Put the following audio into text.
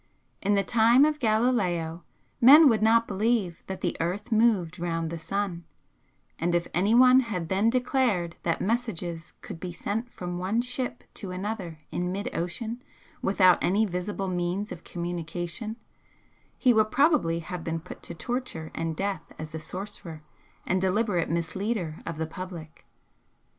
In the time of Galileo men would not believe that the earth moved round the sun, and if anyone had then declared that messages could be sent from one ship to another in mid ocean without any visible means of communication, he would probably have been put to torture and death as a sorcerer and deliberate misleader of the public.